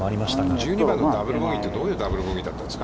１２番のダブル・ボギーって、どういうダブル・ボギーだったんですか。